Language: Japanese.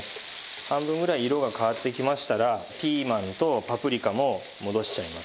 半分ぐらい色が変わってきましたらピーマンとパプリカも戻しちゃいます。